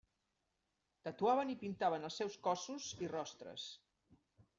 Tatuaven i pintaven els seus cossos i rostres.